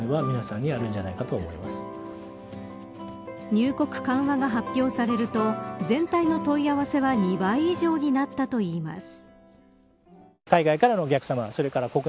入国緩和が発表されると全体の問い合わせは２倍以上になったといいます。